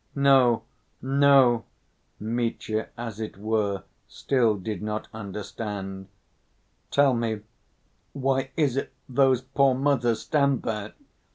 "No, no," Mitya, as it were, still did not understand. "Tell me why it is those poor mothers stand there?